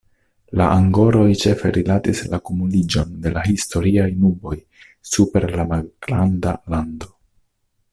La angoroj ĉefe rilatis la kumuliĝon de la historiaj nuboj super la malgranda lando.